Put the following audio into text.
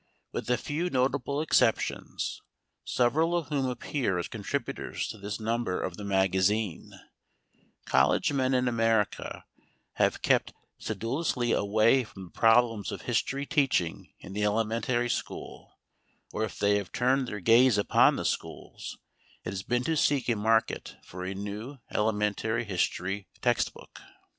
With a few notable exceptions, several of whom appear as contributors to this number of the MAGAZINE, college men in America have kept sedulously away from the problems of history teaching in the elementary school, or if they have turned their gaze upon the schools, it has been to seek a market for a new elementary history textbook.